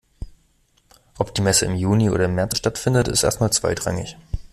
Ob die Messe im Juni oder im März stattfindet, ist erst mal zweitrangig.